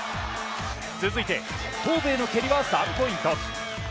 続いて頭部への蹴りは３ポイント。